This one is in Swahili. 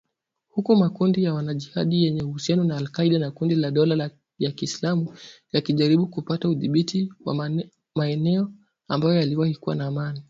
Huku makundi ya wanajihadi yenye uhusiano na al-Qaeda na kundi la dola ya Kiislamu yakijaribu kupata udhibiti wa maeneo ambayo yaliwahi kuwa na amani